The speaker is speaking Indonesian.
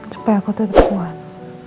supaya aku tetep kuat